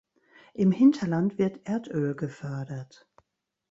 Im Hinterland wird Erdöl gefördert.